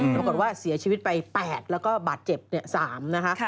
แล้วก็ว่าเสียชีวิตไป๘แล้วก็บาทเจ็บเนี่ย๓นะฮะ